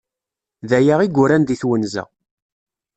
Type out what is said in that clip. Daya i yuran di twenza.